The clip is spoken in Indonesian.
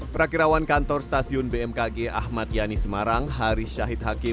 prakirawan kantor stasiun bmkg ahmad yani semarang haris syahid hakim